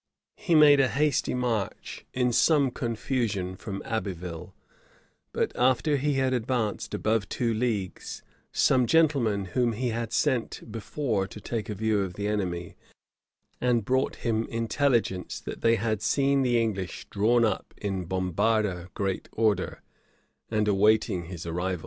He made a hasty march, in some confusion, from Abbeville; but after he had advanced above two leagues, some gentlemen, whom he had sent before to take a view of the enemy, returned to him, and brought him intelligence that they had seen the English drawn up in Bombarda great order, and awaiting his arrival.